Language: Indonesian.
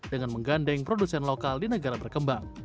dengan menggandeng produsen lokal di negara berkembang